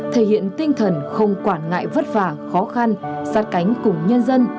thể hiện tinh thần không quản ngại vất vả khó khăn sát cánh cùng nhân dân